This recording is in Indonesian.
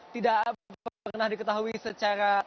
tidak pernah diketahui secara